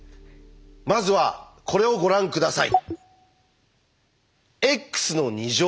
まずはこれをご覧下さい。